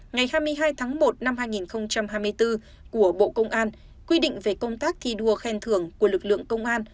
ngày hai mươi hai tháng một năm hai nghìn hai mươi bốn của bộ công an quy định về công tác thi đua khen thưởng của lực lượng công an